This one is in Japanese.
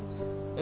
え？